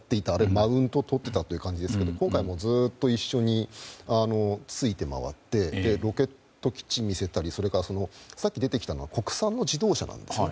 マウントをとっていた感じですが今回はずっと一緒について回ってロケット基地を見せたりさっき出てきたのは国産の自動車なんですね。